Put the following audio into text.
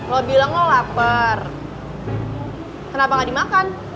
lo bilang lo lapar kenapa nggak dimakan